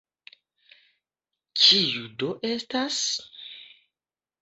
Kiu do estas?